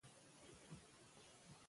مېوې د افغانستان د ملي هویت نښه ده.